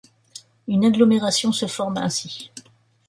Une agglomération se forme ainsi.